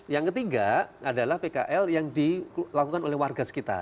yang ketiga adalah pkl yang dilakukan oleh warga sekitar